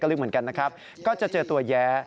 ลึกเหมือนกันนะครับก็จะเจอตัวแย้